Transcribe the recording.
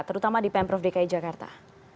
terutama di pemprov dki jakarta